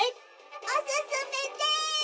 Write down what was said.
「おすすめです！」。